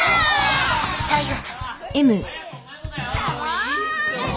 ・大陽さま。